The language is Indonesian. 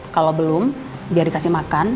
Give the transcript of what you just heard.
kalau belum biar dikasih makan